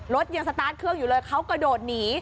รถยังสตาร์ทเครื่องอยู่เลยเขากระโดดหนี